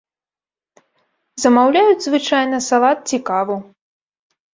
Замаўляюць, звычайна, салат ці каву.